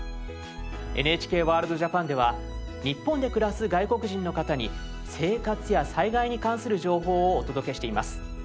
「ＮＨＫＷＯＲＬＤ−ＪＡＰＡＮ」では日本で暮らす外国人の方に生活や災害に関する情報をお届けしています。